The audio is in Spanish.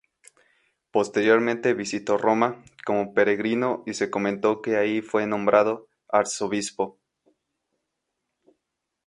Posteriormente visitó Roma como peregrino y se comentó que ahí fue nombrado arzobispo.